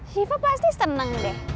syifa pasti senang deh